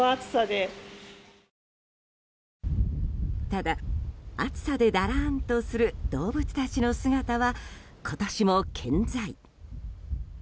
ただ、暑さでだらーんとする動物たちの姿は今年も健在。